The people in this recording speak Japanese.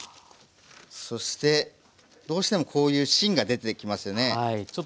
そしてどうしてもこういう芯が出てきますよね。